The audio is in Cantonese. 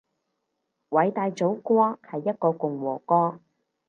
偉大祖國係一個共和國